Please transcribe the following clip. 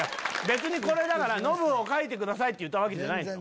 別にこれノブを描いてくださいって言ったわけじゃないんよ